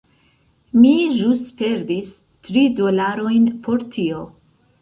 Mi ĵus perdis tri dolarojn por tio.